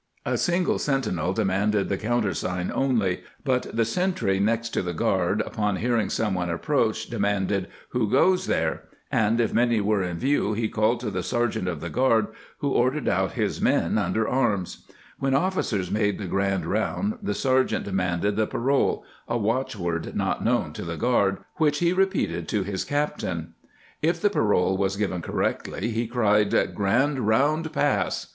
A single sentinel demanded the countersign only, but the sentry next to the guard, upon hearing someone approach, de manded, " Who goes there "?" and if many were in view he called to the sergeant of the guard, who ordered out his men under arms. When ofBcers made the grand round the sergeant de manded the parole — a watchword not known to the guard — which he repeated to his captain. If the parole was given correctly he cried, " Grand round pass."